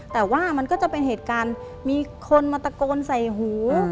แต่ว่ามันก็จะเป็นเหตุการณ์มีคนมาตะโกนใส่หู